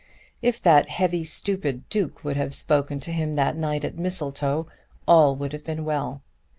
If that heavy stupid duke would have spoken to him that night at Mistletoe, all would have been well!